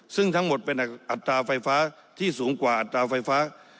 ซึ่งทั้งหมดเป็นอัตราไฟฟ้าที่สูงกว่าอัตราไฟฟ้า